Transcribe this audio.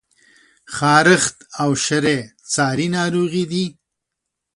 خارښت او شری څاری ناروغی دي؟